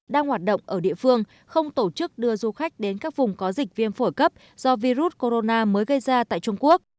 đang hoạt động ở địa phương không tổ chức đưa du khách đến các vùng có dịch viêm phổi cấp do virus corona mới gây ra tại trung quốc